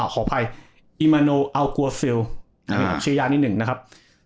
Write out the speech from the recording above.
ขออภัยอิมัโนอัลโกไซลเป็นชื่ายานิ่งนะครับ